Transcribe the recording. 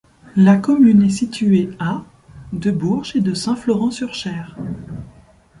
La commune est située à de Bourges et de Saint-Florent-sur-Cher.